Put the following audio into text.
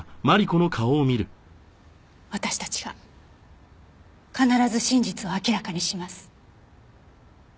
私たちが必ず真実を明らかにします。